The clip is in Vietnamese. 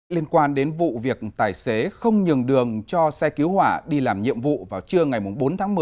liên quan đến vụ việc tài xế không nhường đường cho xe cứu hỏa đi làm nhiệm vụ vào trưa ngày bốn tháng một mươi